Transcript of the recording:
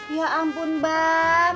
ya ampun bang